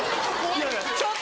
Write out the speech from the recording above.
ちょっと。